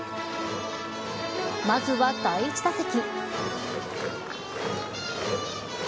まずは第１打席。